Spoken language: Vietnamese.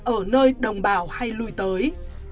ở nơi đồng bào hay lui tới